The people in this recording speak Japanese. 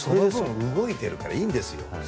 動いてるからいいんですよ。